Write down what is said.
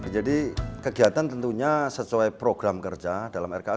jadi kegiatan tentunya sesuai program kerja dalam rka sudah diperhatikan